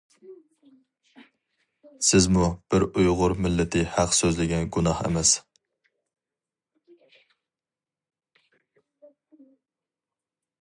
سىزمۇ بىر ئۇيغۇر مىللىتى ھەق سۆزلىگەن گۇناھ ئەمەس.